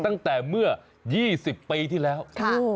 ตั้งแต่เมื่อ๒๐ปีที่แล้ว